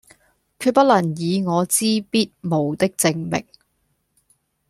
決不能以我之必無的證明，